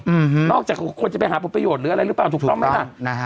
อืมนอกจากคนจะไปหาผลประโยชน์หรืออะไรหรือเปล่าถูกต้องไหมล่ะนะฮะ